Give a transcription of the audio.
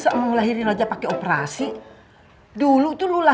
kayak apa engga gitu ya